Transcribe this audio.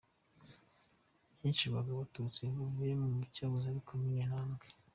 Hicirwaga Abatutsi bavuye mu cyahoze ari komini Tambwe.